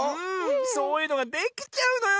そういうのができちゃうのよ